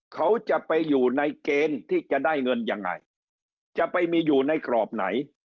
เขาจะไปอยู่ในเกณฑ์ที่จะได้เงินยังไงจะไปมีอยู่ในกรอบไหน